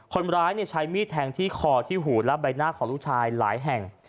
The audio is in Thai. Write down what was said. คนร้ายใช้มีดแทงที่คอที่หูและใบหน้าของลูกชายหลายแห่ง